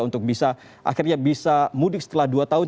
untuk bisa mudik setelah dua tahun